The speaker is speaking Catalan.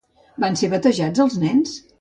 Van ser batejats els nens?